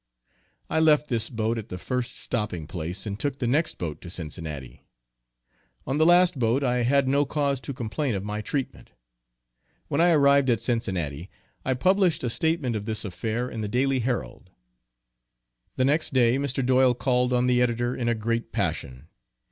I left this boat at the first stopping place, and took the next boat to Cincinnati. On the last boat I had no cause to complain of my treatment. When I arrived at Cincinnati, I published a statement of this affair in the Daily Herald. The next day Mr. Doyle called on the editor in a great passion.